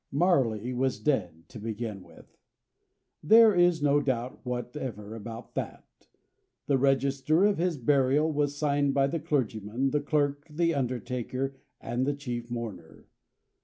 Marley was dead, to begin with. There is no doubt whatever about that. The register of his burial was signed by the clergyman, the clerk, the undertaker, and the chief mourner.